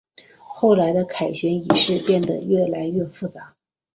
后来的凯旋仪式变得越来越复杂。